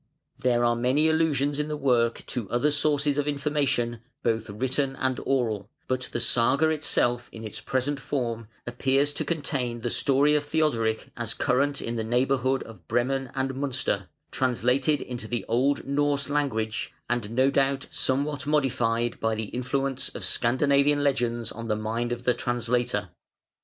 There are many allusions in the work to other sources of information both written and oral, but the Saga itself in its present form appears to contain the story of Theodoric as current in the neighbourhood of Bremen and Münster, translated into the old Norse language, and no doubt somewhat modified by the influence of Scandinavian legends on the mind of the translator.